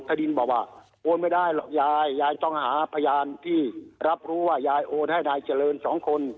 ถ้าดินบอกว่าโอนไม่ได้หรอกยายยายต้องหาพยานที่รับรู้ว่ายายโอนให้นายเจริญสองคน